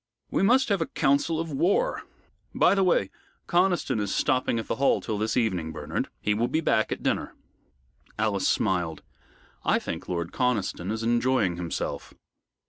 "We must have a counsel of war. By the way, Conniston is stopping at the Hall till this evening, Bernard. He will be back at dinner." Alice smiled. "I think Lord Conniston is enjoying himself."